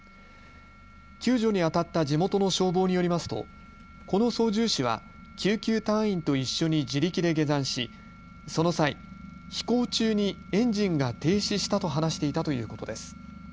救助にあたった地元の消防によりますとこの操縦士は救急隊員と一緒に自力で下山しその際、飛行中にエンジンが停止したと話していたということです。